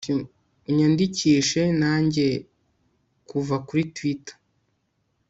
unyandikishe, nanjye, kuva kuri twitter